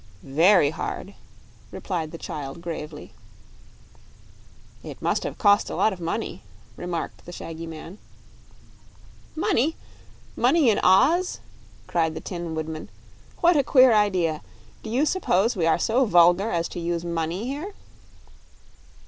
"Very hard," replied the child, gravely. "It must have cost a lot of money," remarked the shaggy man. "Money! Money in Oz!" cried the Tin Woodman. "What a queer idea! Did you suppose we are so vulgar as to use money here?"